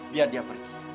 biar dia pergi